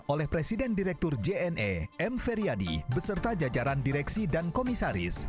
oleh presiden direktur jne m feryadi beserta jajaran direksi dan komisaris